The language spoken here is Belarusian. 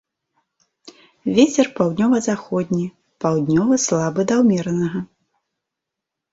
Вецер паўднёва-заходні, паўднёвы слабы да ўмеранага.